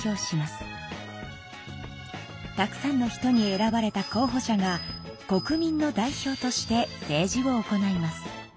たくさんの人に選ばれた候ほ者が国民の代表として政治を行います。